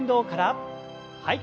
はい。